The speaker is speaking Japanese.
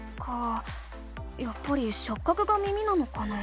やっぱりしょっ角が耳なのかな？